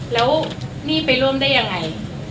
แล้วนี่ไปร่วมได้ยังไง